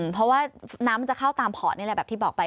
เพราะว่าน้ำมันจะเข้าตามพอดนี่แหละแบบที่บอกไป